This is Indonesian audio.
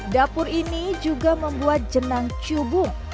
dapur ini juga membuat jenang cubung